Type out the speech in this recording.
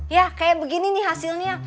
ya kayak begini nih hasilnya